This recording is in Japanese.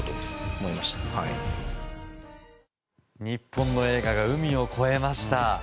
日本の映画が海を越えました。